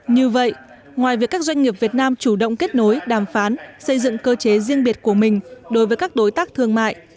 như vậy ngoài việc các doanh nghiệp việt nam chủ động kết nối đàm phán xây dựng cơ chế riêng biệt của mình đối với các đối tác thương mại